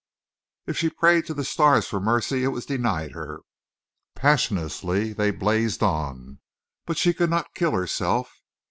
If she prayed to the stars for mercy, it was denied her. Passionlessly they blazed on. But she could not kill herself.